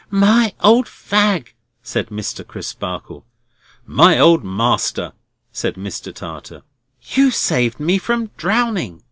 "My old fag!" said Mr. Crisparkle. "My old master!" said Mr. Tartar. "You saved me from drowning!"